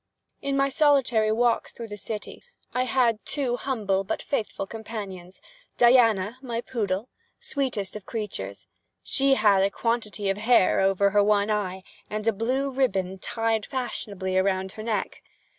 In my solitary walk through, the city I had two humble but faithful companions. Diana, my poodle! sweetest of creatures! She had a quantity of hair over her one eye, and a blue ribbon tied fashionably around her neck.